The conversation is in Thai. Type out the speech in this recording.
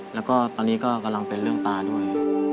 แล้วก็ตอนนี้ก็กำลังเป็นเรื่องตาด้วย